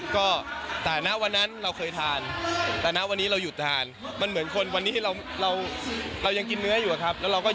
ก็แต่หน้าวันนั้นเราเคยทานแต่หน้าวันนี้เราหยุดทาน